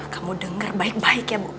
kamu denger baik baik ya bobby